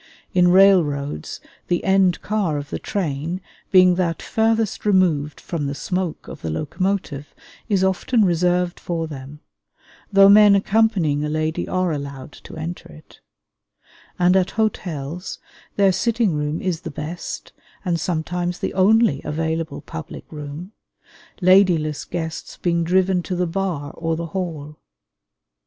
In railroads the end car of the train, being that farthest removed from the smoke of the locomotive, is often reserved for them (though men accompanying a lady are allowed to enter it); and at hotels their sitting room is the best and sometimes the only available public room, ladyless guests being driven to the bar or the hall.